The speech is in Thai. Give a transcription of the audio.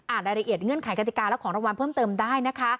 รายละเอียดเงื่อนไขกติกาและของรางวัลเพิ่มเติมได้นะคะ